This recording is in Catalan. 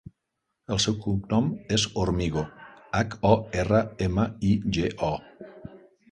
El seu cognom és Hormigo: hac, o, erra, ema, i, ge, o.